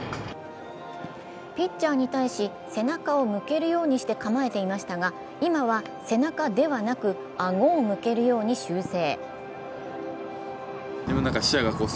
ピッチャーに対し背中を向けるようにして構えていましたが今は背中ではなく、顎を向けるように修正。